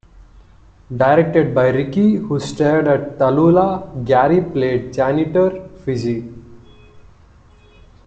Directed by Rikki who starred as Talula, Gary played janitor Fizzy.